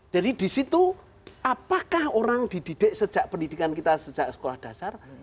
jadi disitu apakah orang dididik sejak pendidikan kita sejak sekolah dasar